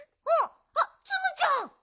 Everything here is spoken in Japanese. あっツムちゃん。